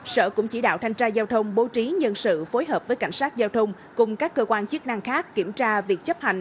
sở cũng chỉ đạo thanh tra giao thông bố trí nhân sự phối hợp với cảnh sát giao thông cùng các cơ quan chức năng khác kiểm tra việc chấp hành